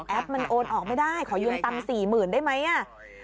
แอปมันโอนออกไม่ได้ขอยืนตำ๔๐๐๐๐ได้ไหมอ่ะ